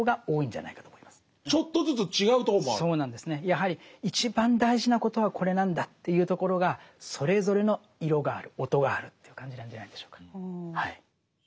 やはり一番大事なことはこれなんだというところがそれぞれの色がある音があるという感じなんじゃないでしょうか。